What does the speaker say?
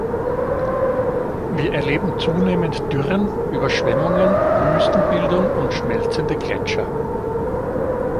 Wir erleben zunehmend Dürren, Überschwemmungen, Wüstenbildung und schmelzende Gletscher.